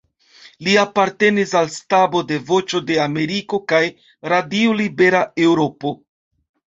Li apartenis al stabo de Voĉo de Ameriko kaj Radio Libera Eŭropo.